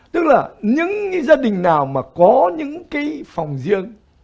tức là những gia đình nào mà có những cái phòng riêng